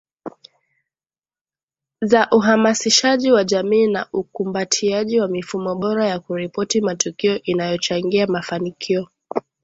za uhamasishaji wa jamii na ukumbatiaji wa mifumo bora ya kuripoti matukio inayochangia mafanikio